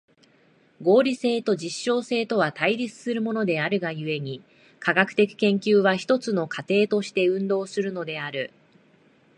合理性と実証性とは対立するものである故に、科学的研究は一つの過程として運動するのである。